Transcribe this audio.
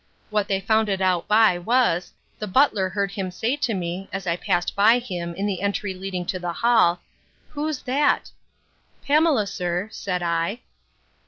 What they found it out by was; the butler heard him say to me, as I passed by him, in the entry leading to the hall, Who's that? Pamela, sir, said I.